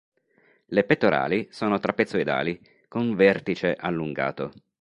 Le pettorali sono trapezoidali, con vertice allungato.